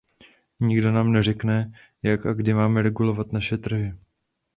Nikdo nám neřekne, jak a kdy máme regulovat naše trhy.